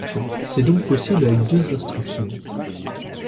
C'est donc possible avec deux instructions.